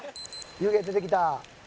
湯気出てきた。